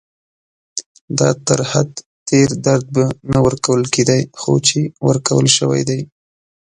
دا تر حد تېر درد به نه ورکول کېدای، خو چې ورکول شوی دی.